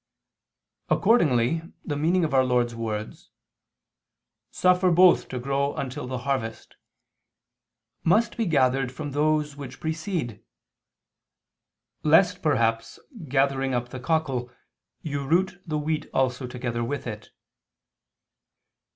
Accordingly the meaning of Our Lord's words, "Suffer both to grow until the harvest," must be gathered from those which precede, "lest perhaps gathering up the cockle, you root the wheat also together with it."